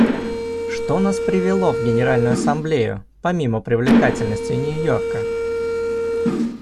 Что нас привело в Генеральную Ассамблею, помимо привлекательности Нью-Йорка?